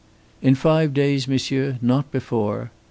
"In five days, monsieur; not before."